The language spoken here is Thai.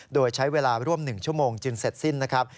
โดยใช้เวลาร่วม๑ชั่วโมงจึงเสร็จสิ้นนะครับ